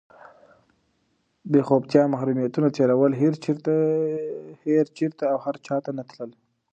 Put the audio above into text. بېخوبتیا، محرومیتونه تېرول، هېر چېرته او هر چاته نه تلل،